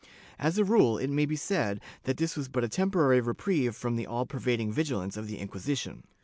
As a rule it may be said that this was but a temporary reprieve from the all pervading vigilance of the Inquisition.